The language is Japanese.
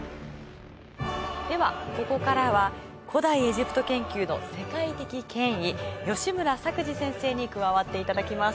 ではここからは古代エジプト研究の世界的権威吉村作治先生に加わっていただきます。